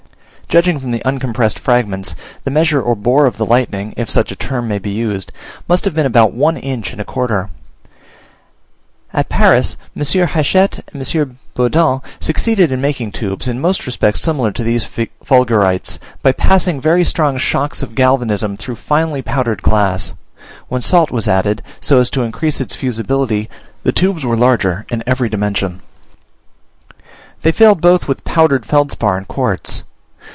Judging from the uncompressed fragments, the measure or bore of the lightning (if such a term may be used) must have been about one inch and a quarter. At Paris, M. Hachette and M. Beudant succeeded in making tubes, in most respects similar to these fulgurites, by passing very strong shocks of galvanism through finely powdered glass: when salt was added, so as to increase its fusibility, the tubes were larger in every dimension. They failed both with powdered felspar and quartz.